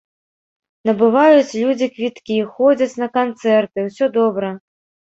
Набываюць людзі квіткі, ходзяць на канцэрты, усё добра.